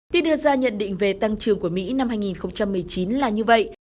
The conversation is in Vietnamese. tuy đưa ra nhận định về tăng trưởng của mỹ năm hai nghìn một mươi chín là như vậy